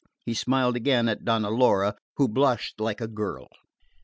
He smiled again at Donna Laura, who blushed like a girl.